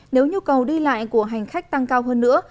nếu nhu cầu đi lại của hành khách tăng cao hơn nữa